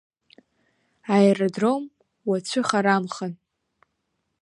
Аеродром уацәыхарамхан!